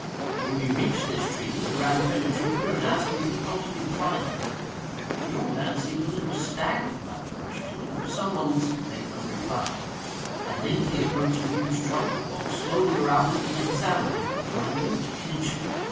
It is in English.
When we reached this tree, Legrand turned to Jupiter, and asked him if he thought he could climb it. The old man seemed a little staggered by the question, and for some moments made no reply. At length he approached the huge trunk, walked slowly around it, and examined it with minute attention.